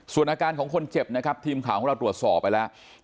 ส่วนอาการของคนเจ็บนะครับทีมข่าวของเราตรวจสอบไปแล้ว